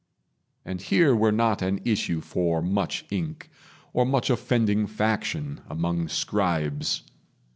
And here were not an issue for much ink, Or much offending faction among scribes.